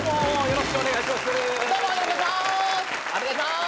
よろしくお願いします。